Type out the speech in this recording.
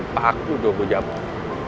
paku jogja paku